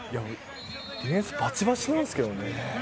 ディフェンス、バチバチなんですけれどもね。